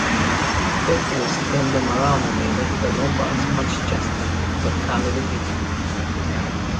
Pestilence turned them around and they left the Lombards much chastened, but hardly defeated.